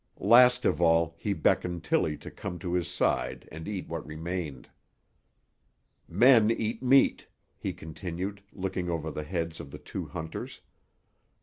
Last of all he beckoned Tillie to come to his side and eat what remained. "Men eat meat," he continued, looking over the heads of the two hunters.